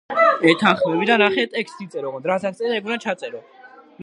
ამ და სამხრეთით მდებარე ერთი სათოფურის გარდა, ყველა დანარჩენი შეწყვილებულია.